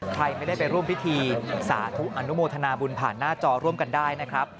ใครไม่ได้ไปร่วมพิธีสาธุอนุโมทนาบุญผ่านหน้าจอร่วมกันได้นะครับ